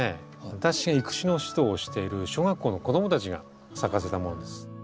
私が育種の指導をしている小学校の子供たちが咲かせたものです。